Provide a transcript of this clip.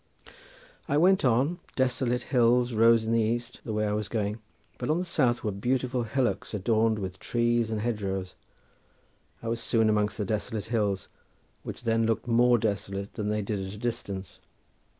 I went on—desolate hills rose in the east, the way I was going, but on the south were beautiful hillocks adorned with trees and hedge rows. I was soon amongst the desolate hills, which then looked more desolate than they did at a distance.